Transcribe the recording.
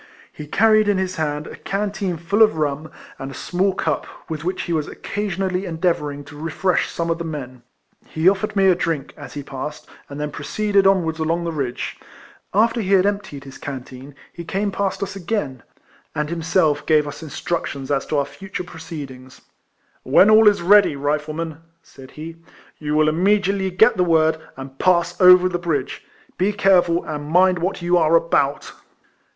He carried in his hand a canteen full of rum, and a small cup, with which he was occasionally endeavour ing to refresh some of the men. He offered me a drink, as he passed, and then pro ceeded onwards along the ridge. After he had emptied his canteen, he came past us * This ball I found in one of my shirts, and kept it long afterwards. RIFLEMAN HARRIS. 175 aojain, and himself orave us instructions as to our future proceedings. " When all is ready, Riflemen," said he, " you will immediately get the word, and pass over the bridge. Be careful, and mind what you are about."